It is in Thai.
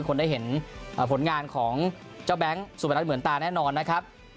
คนได้เห็นผลงานของเจ้าแบงค์สุบันรัฐเหมือนตาแน่นอนนะครับ